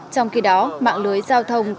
trong khi đó mạng lưới giao thông